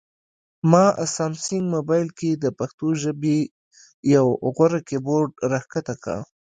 ما سامسنګ مبایل کې د پښتو ژبې یو غوره کیبورډ راښکته کړ